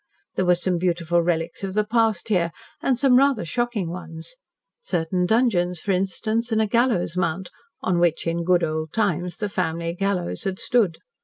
There were some beautiful relics of the past there, and some rather shocking ones certain dungeons, for instance, and a gallows mount, on which in good old times the family gallows had stood.